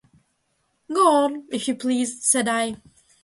"Go on, if you please," said I.